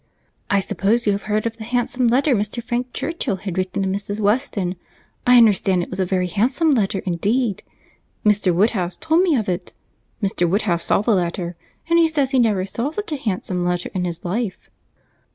"I suppose you have heard of the handsome letter Mr. Frank Churchill has written to Mrs. Weston? I understand it was a very handsome letter, indeed. Mr. Woodhouse told me of it. Mr. Woodhouse saw the letter, and he says he never saw such a handsome letter in his life."